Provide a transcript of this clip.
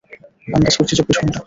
আন্দাজ করছি চব্বিশ ঘণ্টা।